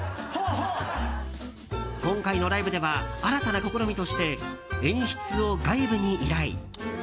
今回のライブでは新たな試みとして演出を外部に依頼。